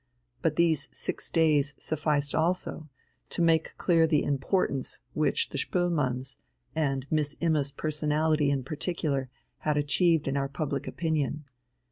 But these six days sufficed also to make clear the importance which the Spoelmanns, and Miss Imma's personality in particular, had achieved in our public opinion.